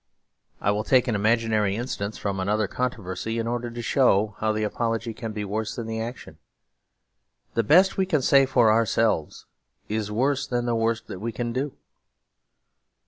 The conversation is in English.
I will take an imaginary instance from another controversy; in order to show how the apology can be worse than the action. The best we can say for ourselves is worse than the worst that we can do.